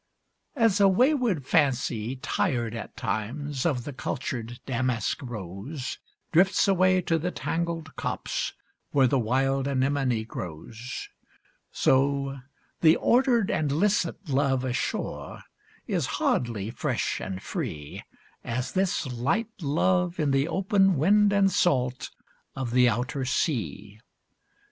As a wayward Fancy, tired at times, of the cultured Damask Rose, Drifts away to the tangled copse, where the wild Anemone grows; So the ordered and licit love ashore, is hardly fresh and free As this light love in the open wind and salt of the outer sea.